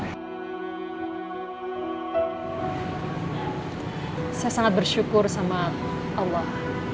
saya sangat bersyukur sama allah